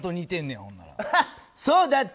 そうだった！